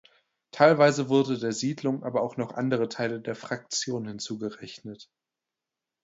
Teilweise wurden der Siedlung aber auch noch andere Teile der Fraktion hinzugerechnet.